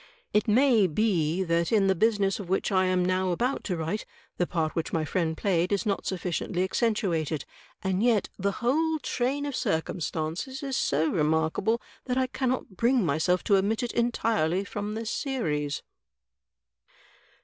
It may be that in the business of which I am now about to write the part which my friend played is not sufficiently accentuated; and yet the whole train of drctunstances is so remarkable that I cannot bring myself to omit it entirely from this series."